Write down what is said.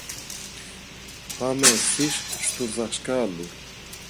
Πάμε ευθύς στου δασκάλου.